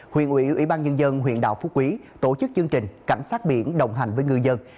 huyện ủy ủy ban nhân dân huyện đảo phú quý tổ chức chương trình cảnh sát biển đồng hành với ngư dân